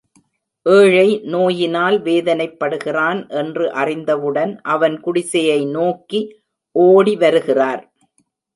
ஏழை நோயினால் வேதனைப்படுகிறான் என்று அறிந்தவுடன், அவன் குடிசையை நோக்கி ஓடி வருகிறார்.